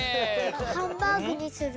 ハンバーグにする？